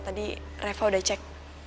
tadi reva udah cek